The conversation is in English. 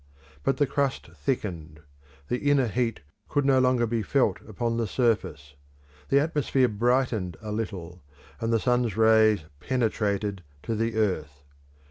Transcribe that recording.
But the crust thickened; the inner heat could no longer be felt upon the surface; the atmosphere brightened a little, and the sun's rays penetrated to the earth.